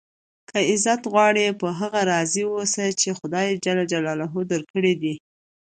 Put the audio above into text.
که عزت غواړئ؟ په هغه راضي اوسئ، چي خدای جل جلاله درکړي دي.